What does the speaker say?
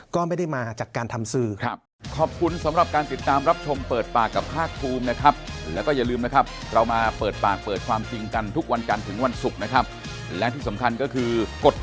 ก็ไม่ได้มาจากการทำสื่อครับ